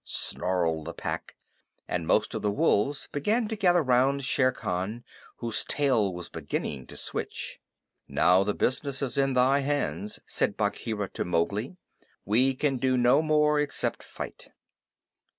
snarled the Pack. And most of the wolves began to gather round Shere Khan, whose tail was beginning to switch. "Now the business is in thy hands," said Bagheera to Mowgli. "We can do no more except fight."